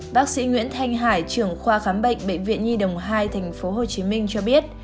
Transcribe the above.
bác sĩ nguyễn thanh hải trưởng khoa khám bệnh bệnh viện nhi đồng hai tp hcm cho biết